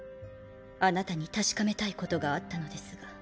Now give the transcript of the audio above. あなたに確かめたいことがあったのですが。